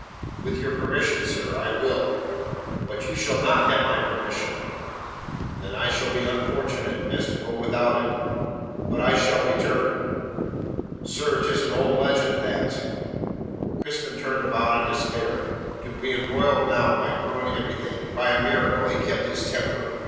"With your permission, sir, I will." "But you shall not have my permission!" "Then I shall be so unfortunate as to go without it. But I shall return." "Sir, 'tis an old legend, that!" Crispin turned about in despair. To be embroiled now might ruin everything, and by a miracle he kept his temper.